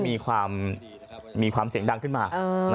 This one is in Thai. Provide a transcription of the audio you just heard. มีความเสียงดังขึ้นมา